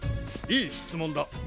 いい質問だ。